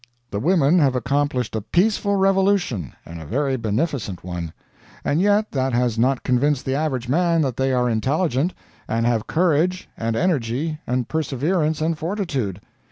The women have accomplished a peaceful revolution, and a very beneficent one; and yet that has not convinced the average man that they are intelligent, and have courage and energy and perseverance and fortitude.